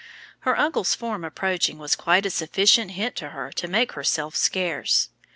Her uncle's form approaching was quite a sufficient hint to her to make herself scarce.